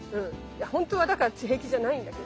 本当はだから平気じゃないんだけど。